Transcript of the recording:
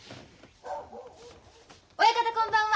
親方こんばんは！